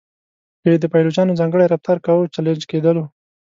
که یې د پایلوچانو ځانګړی رفتار کاوه چلنج کېدلو.